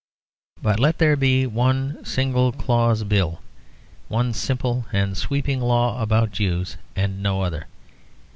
But let there be one single clause bill; one simple and sweeping law about Jews, and no other.